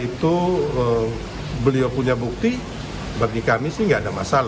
itu beliau punya bukti bagi kami sih nggak ada masalah